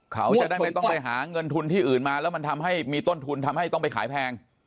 เขาจะได้ไม่ต้องไปหาเงินทุนที่อื่นมาแล้วมันทำให้มีต้นทุนทำให้ต้องไปขายแพง